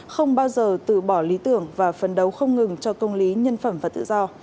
không bao giờ từ bỏ lý tưởng và phấn đấu không ngừng cho công lý nhân phẩm và tự do